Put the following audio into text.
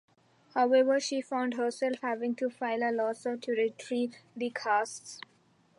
However, she found herself having to file a lawsuit to retrieve the casts.